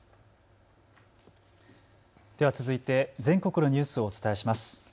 では続いて全国のニュースをお伝えします。